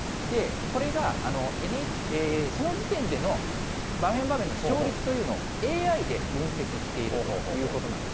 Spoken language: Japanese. これがその時点での場面場面の勝率というのをＡＩで分析しているということなんです。